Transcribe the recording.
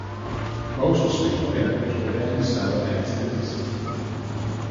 Most street vendors will then sell it as is.